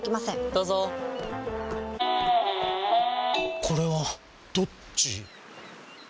どうぞこれはどっち？